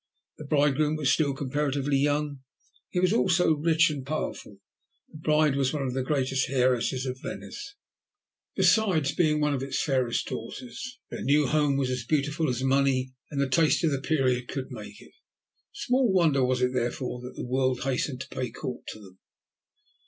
The bridegroom was still comparatively young, he was also rich and powerful; the bride was one of the greatest heiresses of Venice, besides being one of its fairest daughters. Their new home was as beautiful as money and the taste of the period could make it. Small wonder was it, therefore, that the world hastened to pay court to them.